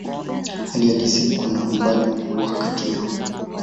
Hali halisi kuna umbali mkubwa kati yao.